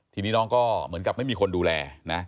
ทีนี้น้องก็เหมือนกับไม่มีคนดูแลนะ